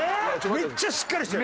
めっちゃしっかりしてる。